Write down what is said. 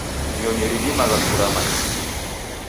Nyonyi ridimagha kurama ighu.